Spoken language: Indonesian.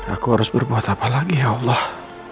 aku harus berpuasa apa lagi ya allah